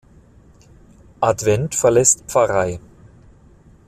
Advent verlässt Pfr.